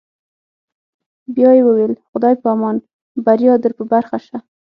بیا یې وویل: خدای په امان، بریا در په برخه شه.